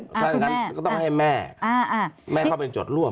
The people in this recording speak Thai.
ถ้าอย่างนั้นก็ต้องให้แม่แม่เข้าเป็นจดร่วม